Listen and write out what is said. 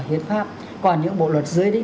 hiến pháp còn những bộ luật dưới đấy